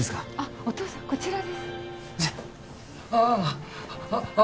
お父さんこちらへ・